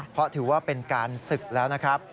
เพราะถือว่าเป็นการศึกแล้วนะครับ